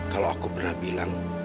kalau aku pernah bilang